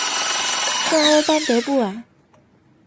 圣欧班德布瓦。